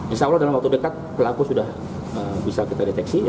insya allah dalam waktu dekat pelaku sudah bisa kita deteksi